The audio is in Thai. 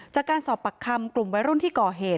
จากการสอบปากคำกลุ่มวัยรุ่นที่ก่อเหตุ